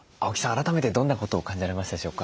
改めてどんなことを感じられましたでしょうか？